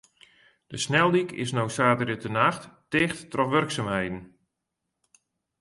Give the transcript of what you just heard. De sneldyk is no saterdeitenacht ticht troch wurksumheden.